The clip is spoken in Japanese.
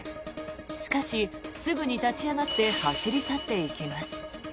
しかし、すぐに立ち上がって走り去っていきます。